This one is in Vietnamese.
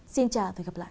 xin chào và hẹn gặp lại